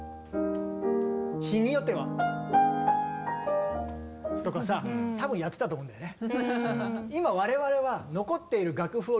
日によっては。とかさ多分やってたと思うんだよね。